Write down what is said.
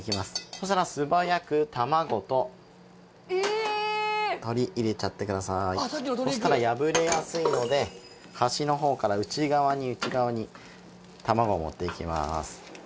そしたら素早く卵と鶏入れちゃってくださいそしたら破れやすいので端のほうから内側に内側に卵をもっていきます